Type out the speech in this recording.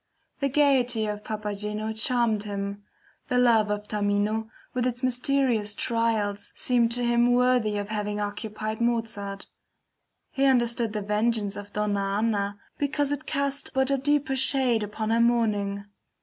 The gayety of Papageno charmed him; the love of Tamino with its mysterious trials seemed to him worthy of having occupied Mozart; he understood the vengeance of Donna Anna because it cast but a deeper shade upon her mourning.